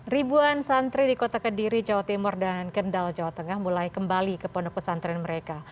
ribuan santri di kota kediri jawa timur dan kendal jawa tengah mulai kembali ke pondok pesantren mereka